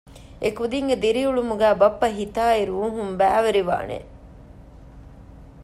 އެކުދީންގެ ދިރިއުޅުމުގައި ބައްޕަ ހިތާއި ރޫހުން ބައިވެރިވާނެ